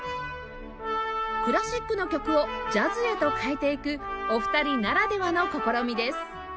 クラシックの曲をジャズへと変えていくお二人ならではの試みです